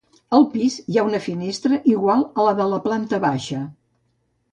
Al pis, hi ha una finestra igual a la de la planta baixa.